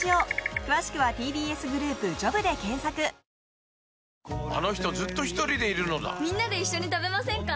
俺がこの役だったのにあの人ずっとひとりでいるのだみんなで一緒に食べませんか？